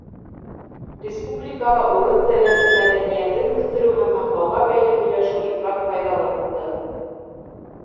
Республикала урыҫ телен, мәҙәниәтен үҫтереү һәм һаҡлауға бәйле һөйләшеү ифрат файҙалы булды.